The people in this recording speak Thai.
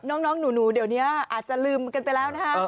น้องหนูเดี๋ยวนี้อาจจะลืมกันไปแล้วนะคะ